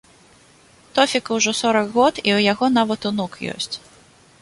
Тофіку ўжо сорак год і ў яго нават унук ёсць.